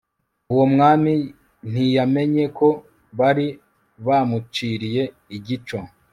uwo mwami ntiyamenye ko bari bamuciriye igico